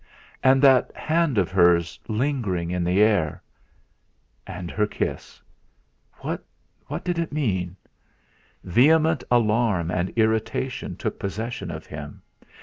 And that hand of hers lingering in the air. And her kiss. What did it mean? Vehement alarm and irritation took possession of him.